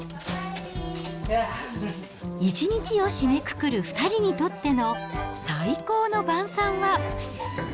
一日を締めくくる２人にとっての最高の晩さんは。